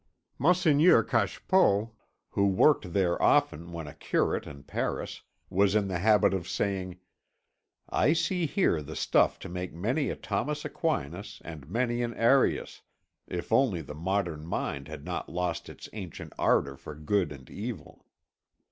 Monseigneur Cachepot, who worked there often when a curate in Paris, was in the habit of saying: "I see here the stuff to make many a Thomas Aquinas and many an Arius, if only the modern mind had not lost its ancient ardour for good and evil."